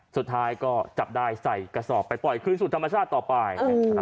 สุดท้ายก็จับได้ใส่กระสอบไปปล่อยคืนสู่ธรรมชาติต่อไป